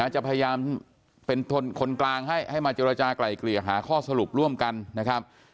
จะพยายามเป็นคนกลางให้ให้มาเจรจากลายเกลี่ยหาข้อสรุปร่วมกันนะครับ